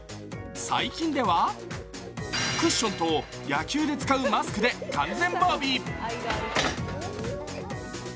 最近では、クッションと野球で使うマスクで完全防備。